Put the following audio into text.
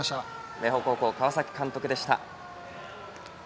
明豊高校、川崎監督でした。